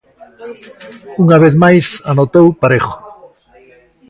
Unha vez máis anotou Parejo.